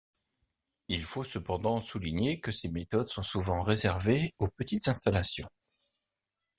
Il faut cependant souligner que ces méthodes sont souvent réservées aux petites installations.